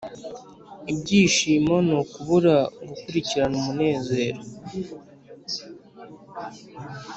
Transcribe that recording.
ibyishimo ni ukubura gukurikirana umunezero.